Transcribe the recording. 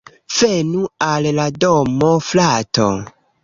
Venu al la domo, frato